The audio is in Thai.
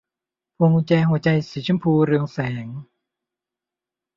พวงกุญแจหัวใจสีชมพูเรืองแสง